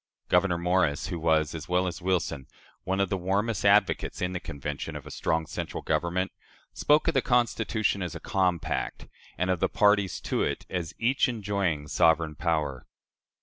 " Gouverneur Morris, who was, as well as Wilson, one of the warmest advocates in the Convention of a strong central government, spoke of the Constitution as "a compact," and of the parties to it as "each enjoying sovereign power."